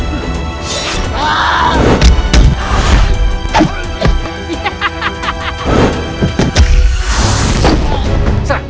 super jam berulang